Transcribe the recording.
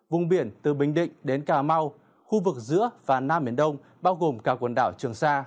vùng biển từ bình định đến cà mau khu vực giữa và nam biển đông bao gồm cả quần đảo trường sa